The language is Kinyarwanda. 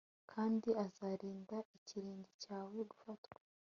Kandi azarinda ikirenge cyawe gufatwa